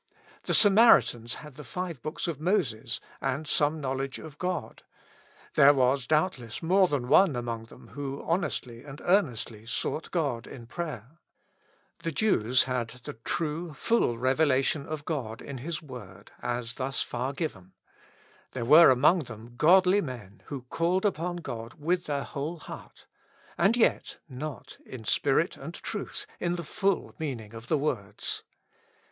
The Samaritans had the five books of Moses and some knowledge of God ; there was doubtless more than one among them who honestly and earnestly sought God in prayer. The Jews had ^the true full revela tion of God in His word, as thus far given; there were among them godly men, who called upon God with their whole heart. And yet not " in spirit and truth," in the full meaning of the words.